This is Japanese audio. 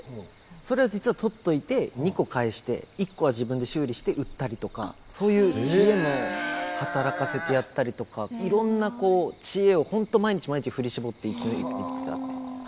それを実は取っといて２個返して１個は自分で修理して売ったりとかそういう知恵も働かせてやったりとかいろんなこう知恵を本当毎日毎日振り絞って生き延びてきたって。